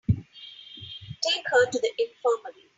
Take her to the infirmary.